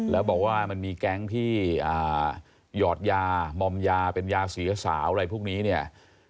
แล้วบอกว่ามันมีแก๊งที่หยอดยามอมยาเป็นยาเสียสาวอะไรพวกนี้เนี่ย